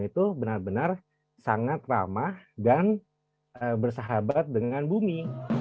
itu benar benar sangat ramah dan bersahabat dengan bumi